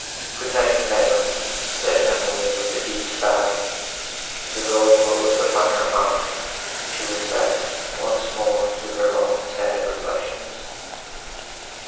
"Good night, madam," said Emily, with a deep sigh, as the door closed upon her aunt, and she was left once more to her own sad reflections.